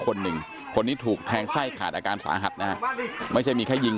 คนหนึ่งคนนี้ถูกแทงไส้ขาดอาการสาหัสนะฮะไม่ใช่มีแค่ยิง